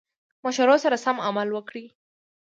مشورو سره سم عمل وکړي.